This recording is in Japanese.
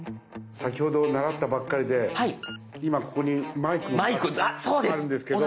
先ほど習ったばっかりで今ここにマイクのマークがあるんですけど。